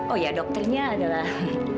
oh ya dokternya adalah